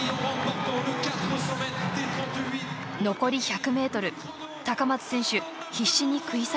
残り１００ｍ高松選手必死に食い下がります。